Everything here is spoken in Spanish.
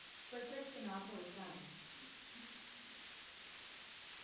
Fue seleccionado por St.